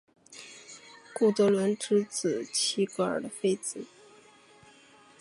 古德伦之子齐格菲的妻子。